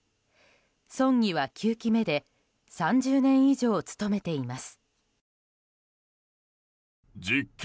村議は９期目で３０年以上務めています。